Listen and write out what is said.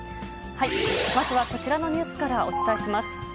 まずはこちらのニュースからお伝えします。